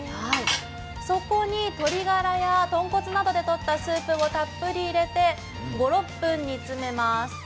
そこに鶏ガラや豚骨などでとったスープをたっぷり入れて５６分煮詰めます。